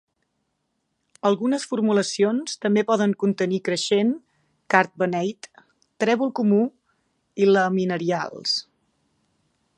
Algunes formulacions també poden contenir creixen, card beneit, trèvol comú i laminarials.